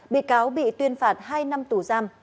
bị cáo bị tuyên phạt hai năm tù giam